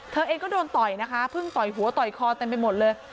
เธอเองก็โดนต่อยนะคะเพิ่งต่อยหัวต่อยคอเต็มไปหมดเลย